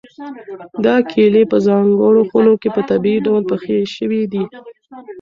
دا کیلې په ځانګړو خونو کې په طبیعي ډول پخې شوي دي.